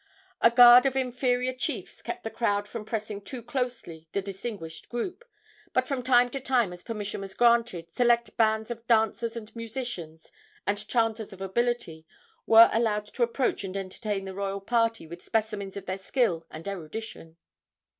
A guard of inferior chiefs kept the crowd from pressing too closely the distinguished group, but from time to time, as permission was granted, select bands of dancers and musicians and chanters of ability were allowed to approach and entertain the royal party with specimens of their skill and erudition.